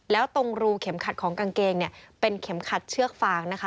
แล้วตรงรูเข็มขัดของกางเกงเนี่ยเป็นเข็มขัดเชือกฟางนะคะ